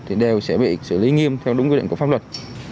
thì đều sẽ bị xử lý nghiêm theo đúng quy định của pháp luật